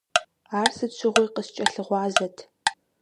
Ар сыт щыгъуи къыскӏэлъыгъуазэт.